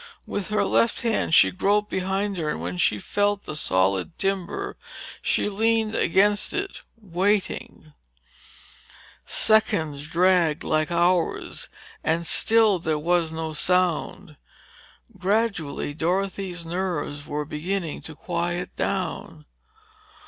With her left hand she groped behind her and when she felt the solid timber, she leaned back against it, waiting. Seconds dragged like hours and still there was no sound. Gradually, Dorothy's nerves were beginning to quiet down.